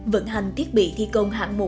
vận hành thiết bị thi công hạng một